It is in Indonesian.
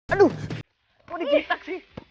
aduh kok di gitak sih